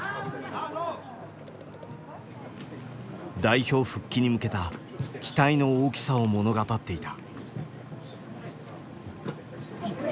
代表復帰に向けた期待の大きさを物語っていた。